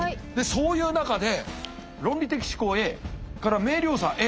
そういう中で論理的思考Ａ明瞭さＡ